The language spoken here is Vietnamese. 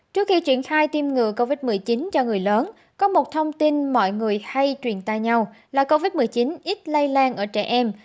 trước khi triển khai tiêm ngừa covid một mươi chín cho người lớn có một thông tin mọi người hay truyền tay nhau là covid một mươi chín ít lây lan ở trẻ em